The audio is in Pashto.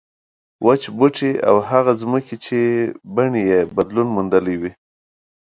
وچ بوټي او هغه ځمکې چې بڼې یې بدلون موندلی وي.